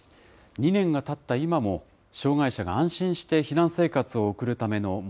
２年がたった今も、障害者が安心して避難生活を送るための模